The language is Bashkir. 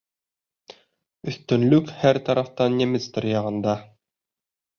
Өҫтөнлөк — һәр тарафтан немецтар яғында.